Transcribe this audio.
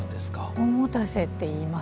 おもたせって言いますね。